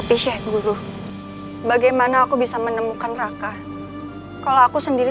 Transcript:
tidak tidak akan pernah kuserahkan kita pusaka padepokan argaliung kepada mereka